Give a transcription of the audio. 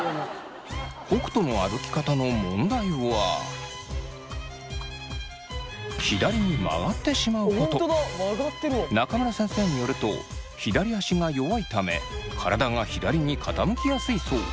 北斗の歩き方の問題は中村先生によると左足が弱いため体が左に傾きやすいそう。